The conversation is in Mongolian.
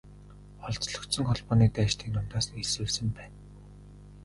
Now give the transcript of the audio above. Олзлогдсон холбооны дайчдын дундаас элсүүлсэн байна.